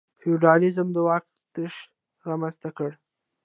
فیوډالېزم د واک تشه رامنځته کړه.